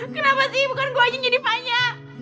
kenapa sih bukan gue aja jadi vanya